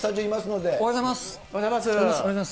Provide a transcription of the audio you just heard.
おはようございます。